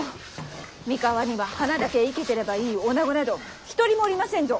三河には花だけ生けてればいいおなごなど一人もおりませんぞ！